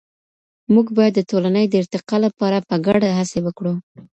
موږ بايد د ټولني د ارتقا لپاره په ګډه هڅې وکړو.